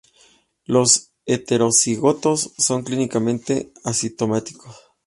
Los heterocigotos son clínicamente asintomáticos.